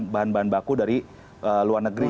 bahan bahan baku dari luar negeri